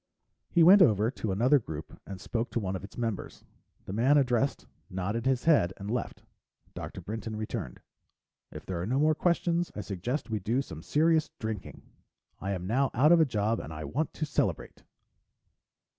He went over to another group and spoke to one of its members. The man addressed nodded his head and left. Dr. Brinton returned. "If there are no more questions, I suggest we do some serious drinking. I am now out of a job and I want to celebrate."